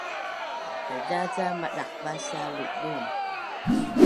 Haiza ca madaqvasa ludun